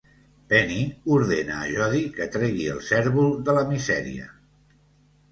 Penny ordena a Jody que tregui el cérvol de la misèria.